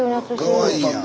かわいいやん。